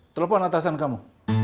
telepon atasan kamu